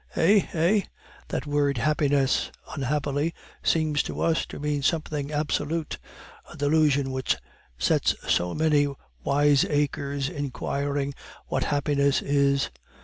Eh! eh! that word happiness, unhappily, seems to us to mean something absolute, a delusion which sets so many wiseacres inquiring what happiness is.